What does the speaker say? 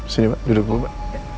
sini pak duduk dulu pak